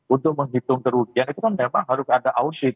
untuk menghitung kerugian itu memang harus ada out sheet